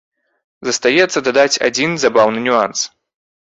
Застаецца дадаць адзін забаўны нюанс.